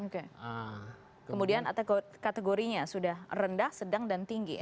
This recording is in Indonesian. oke kemudian kategorinya sudah rendah sedang dan tinggi ya